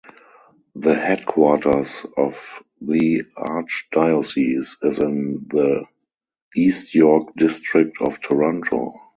The headquarters of the archdiocese is in the East York district of Toronto.